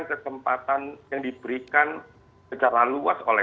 ini lembaga hak kasih manusia